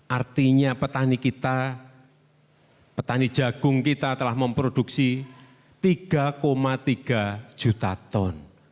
artinya petani kita petani jagung kita telah memproduksi tiga tiga juta ton